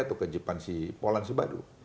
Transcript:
atau kewajiban si polan si badu